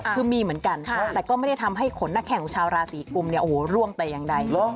คือมีเหมือนกันแต่ก็ไม่ได้ทำให้ขนนักแข่งของชาวราศีกุมเนี่ยโอ้โหร่วงแต่อย่างใด